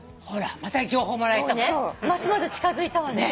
ますます近づいたわね。